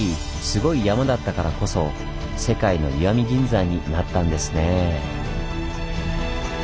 スゴい山だったからこそ「世界の石見銀山」になったんですねぇ。